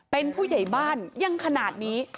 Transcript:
เป็นผู้ใหญ่บ้านยังขนาดนี้